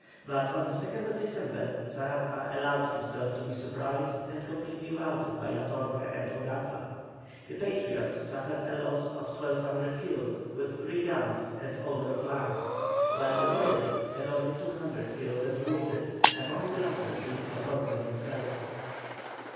But on the 2nd December Saraza allowed himself to be surprised and completely routed by La Torre at Hogaza. The Patriots suffered a loss of 1,200 killed with three guns and all their flags, while the Royalists had only 200 killed and wounded, among the latter being La Torre himself.